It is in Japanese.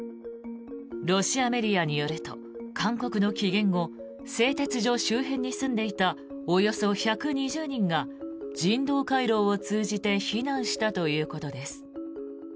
ロシアメディアによると勧告の期限後製鉄所周辺に住んでいたおよそ１２０人が人道回廊を通じて避難したということです。